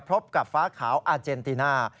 พบกับฟ้าขาวอาเจนติน่า